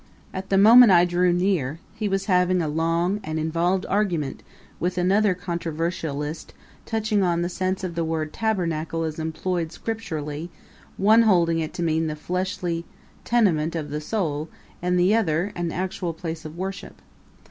At the moment I drew near he was having a long and involved argument with another controversialist touching on the sense of the word tabernacle as employed Scripturally, one holding it to mean the fleshly tenement of the soul and the other an actual place of worship.